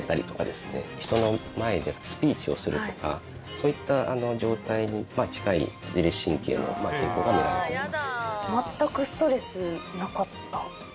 そういった状態に近い自律神経の傾向が見られてます。